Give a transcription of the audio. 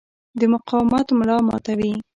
د مقاومت ملا ماتوي.